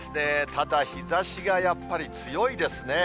ただ、日ざしがやっぱり強いですね。